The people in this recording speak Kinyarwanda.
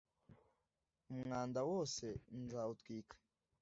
umwanda wose nzawutwika